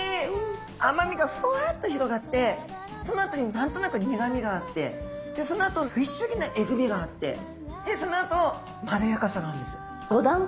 甘みがふわっと広がってそのあとに何となく苦みがあってでそのあとフィッシュギなえぐみがあってそのあとまろやかさがあるんです。